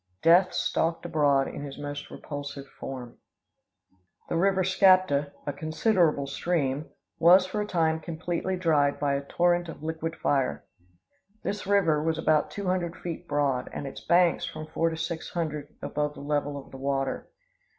Death stalked abroad in his most repulsive form. "The river Skapta, a considerable stream, was for a time completely dried by a torrent of liquid fire. This river was about two hundred feet broad, and its banks from four to six hundred above the level of the water.